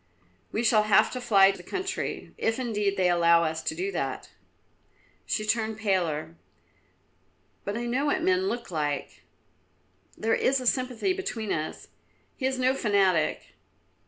"We shall have to fly the country, if indeed they allow us to do that." She turned paler. "But I know what men look like; there is a sympathy between us; he is no fanatic."